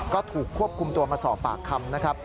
ก็ถูกควบคุมตัวมาสอบปากคำนะครับ